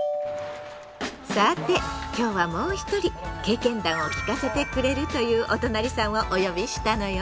さて今日はもう一人経験談を聞かせてくれるというおとなりさんをお呼びしたのよ。